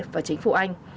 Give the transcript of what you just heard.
và chính phủ anh